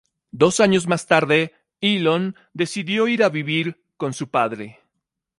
Dos años más tarde Elon decidió ir a vivir con su padre.